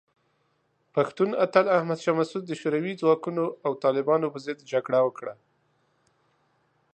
پښتون اتل احمد شاه مسعود د شوروي ځواکونو او طالبانو پر ضد جګړه وکړه.